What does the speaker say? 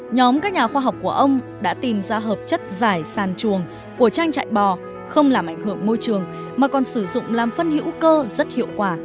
nhóm các nhà khoa học của ông đã tìm ra hợp chất giải sàn chuồng của trang trại bò không làm ảnh hưởng môi trường mà còn sử dụng làm phân hữu cơ rất hiệu quả